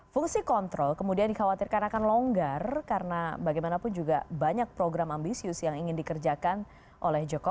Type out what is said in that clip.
fungsi kontrol kemudian dikhawatirkan akan longgar karena bagaimanapun juga banyak program ambisius yang ingin dikerjakan oleh jokowi